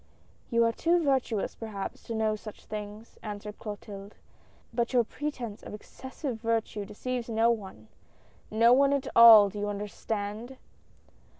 "You are too virtuous, perhaps, to know such things," answered Clotilde, " but all your pretence of excessive virtue deceives no one — no one at all, do you understand